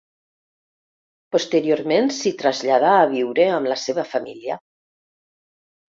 Posteriorment s'hi traslladà a viure amb la seva família.